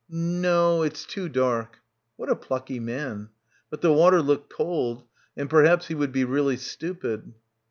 "No; it's too dark." What a plucky man. But the water looked cold. And perhaps he would be really stupid.